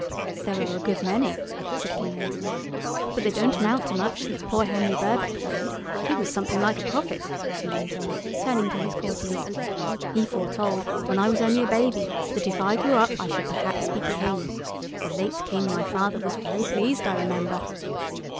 "There are a good many," said King Anthony, "but they don't amount to much since poor Henry Birkbeck died. He was something like a prophet," he went on, turning to his courtiers; "he foretold, when I was only a baby, that if I grew up I should perhaps be king. The late King, my father, was very pleased, I remember."